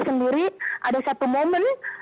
sendiri ada satu momen